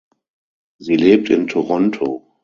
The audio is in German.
Sie lebt in Toronto.